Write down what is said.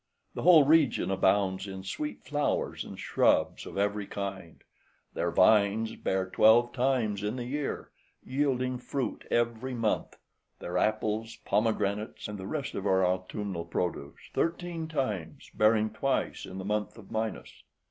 The whole region abounds in sweet flowers and shrubs of every kind; their vines bear twelve times in the year, yielding fruit every month, their apples, pomegranates, and the rest of our autumnal produce, thirteen times, bearing twice in the month of Minos.